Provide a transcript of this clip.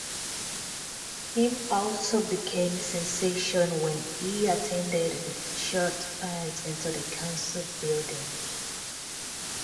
Kim also became sensation when he attended with short pants into the council building.